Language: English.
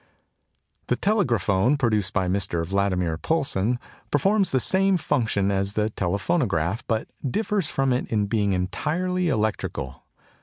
The Telegraphone, produced by Mr. Valdemar Poulsen, performs the same functions as the telephonograph, but differs from it in being entirely electrical.